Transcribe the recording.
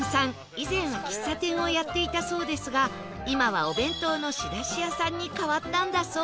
以前は喫茶店をやっていたそうですが今はお弁当の仕出し屋さんに変わったんだそう